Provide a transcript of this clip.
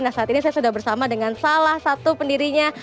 nah saat ini saya sudah bersama dengan salah satu pendirinya